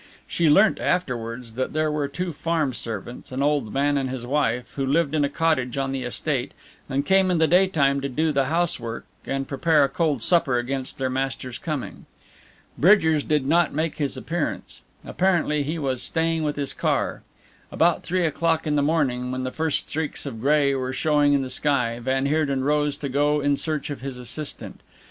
She learnt afterwards that there were two farm servants, an old man and his wife, who lived in a cottage on the estate and came in the daytime to do the housework and prepare a cold supper against their master's coming. Bridgers did not make his appearance. Apparently he was staying with his car. About three o'clock in the morning, when the first streaks of grey were showing in the sky, van Heerden rose to go in search of his assistant.